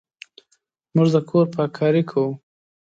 موږ د کور پاککاري کوو.